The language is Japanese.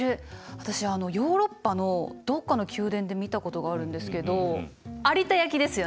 私あのヨーロッパのどっかの宮殿で見たことがあるんですけど有田焼ですよね！